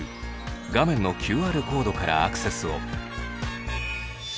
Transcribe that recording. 画面のＱＲコードからアクセスを。